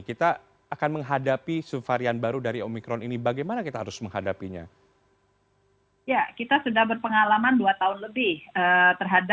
kita akan menghadapi subvarian baru dari omikron ini bagaimana kita harus menghadapinya